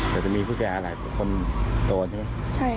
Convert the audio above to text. แต่จะมีผู้ชายหลายคนโตใช่ไหม